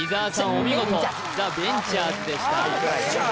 お見事ザ・ベンチャーズでした・ああ・